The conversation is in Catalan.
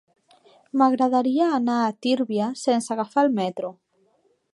M'agradaria anar a Tírvia sense agafar el metro.